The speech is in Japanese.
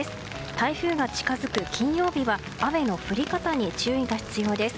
台風が近づく金曜日は雨の降り方に注意が必要です。